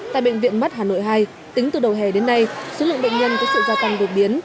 tại bệnh viện mắt hà nội hai tính từ đầu hè đến nay số lượng bệnh nhân có sự gia tăng đột biến